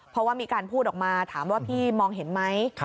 เพราะว่ามีการพูดออกมาถามว่าพี่มองเห็นไหม